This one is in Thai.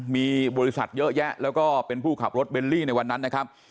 มีบริษัทเยอะแยะแล้วก็เป็นผู้ขับรถเบลลี่ในวันนั้นนะครับ